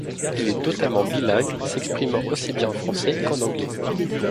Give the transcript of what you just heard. Il est totalement bilingue, s'exprimant aussi bien en français qu'en anglais.